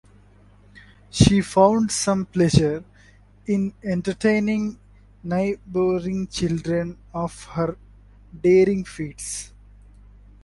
She found some pleasure in entertaining neighboring children of her daring feats.